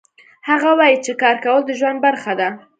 هغه وایي چې کار کول د ژوند برخه ده